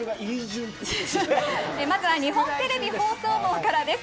まずは日本テレビ放送網からです。